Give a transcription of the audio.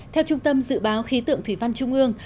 theo trung tâm dự báo khí tượng thủy văn trung ương